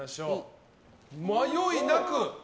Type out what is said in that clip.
迷いなく！